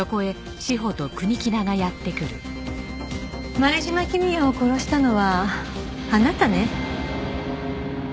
前島公也を殺したのはあなたね？